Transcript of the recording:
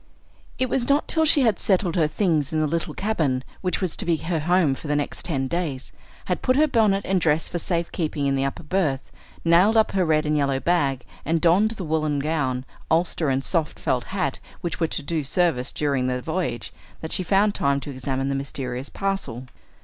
It was not till she had settled her things in the little cabin which was to be her home for the next ten days, had put her bonnet and dress for safe keeping in the upper berth, nailed up her red and yellow bag, and donned the woollen gown, ulster, and soft felt hat which were to do service during the voyage, that she found time to examine the mysterious parcel.